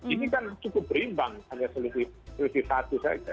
ini kan cukup berimbang hanya selisih selisih satu saja